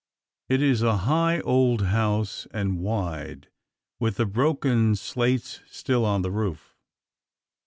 It is a high old house, and wide, with the broken slates still on the roof.